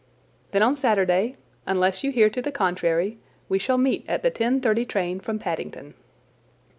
"Then on Saturday, unless you hear to the contrary, we shall meet at the ten thirty train from Paddington."